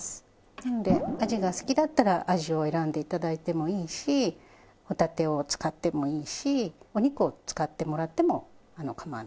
なのでアジが好きだったらアジを選んで頂いてもいいしホタテを使ってもいいしお肉を使ってもらっても構わないです。